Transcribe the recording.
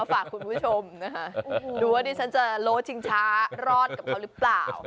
ฝากคุณผู้ชมนะคะดูว่าดิฉันจะโล้ชิงช้ารอดกับเขาหรือเปล่า